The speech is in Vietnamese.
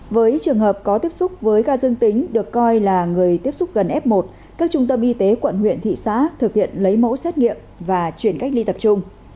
với trường hợp có tiếp xúc với ca dương tính được coi là người tiếp xúc gần f một các trung tâm y tế quận huyện thị xã thực hiện lấy mẫu xét nghiệm và chuyển cách ly tập trung